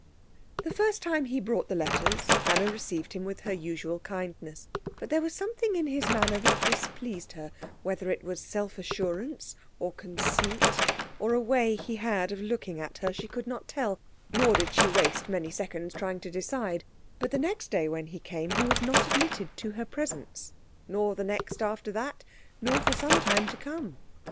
The first time he brought the letters, Anna received him with her usual kindness; but there was something in his manner that displeased her, whether it was self assurance, or conceit, or a way he had of looking at her, she could not tell, nor did she waste many seconds trying to decide; but the next day when he came he was not admitted to her presence, nor the next after that, nor for some time to come.